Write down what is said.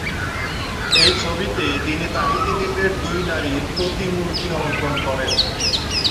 এ ছবিতে তিনি তাহিতি দ্বীপের দুই নারীর প্রতিমূর্তি অঙ্কন করেন।